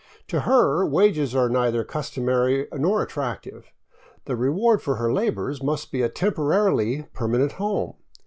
To her, wages are neither customary nor attractive; the reward for her labors must be a temporarily permanent home.